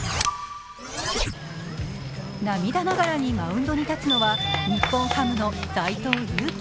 涙ながらにマウンドに立つのは日本ハムの斎藤佑樹。